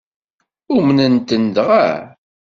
Umnen-tent dɣa?